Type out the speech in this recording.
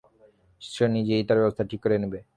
সে নিজেই তার ব্যবস্থা ঠিক করে নেবে।